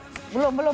belum belum belum